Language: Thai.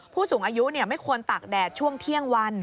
ผู้สูงอายุไม่ควรตากแดดช่วงเที่ยงวัน